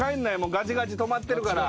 ガチガチ留まってるから。